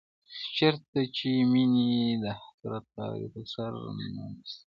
چرته چې مينې د حسرت خاورې په سر نوستلې